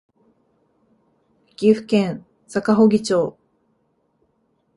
岐阜県坂祝町